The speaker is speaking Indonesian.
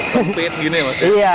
sumpit gini ya